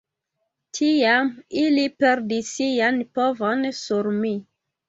Tiam ili perdis sian povon sur mi.